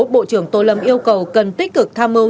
bộ trưởng tô lâm yêu cầu cần tích cực tham mưu